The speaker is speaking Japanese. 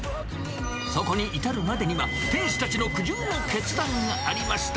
そこに至るまでには、店主たちの苦渋の決断がありました。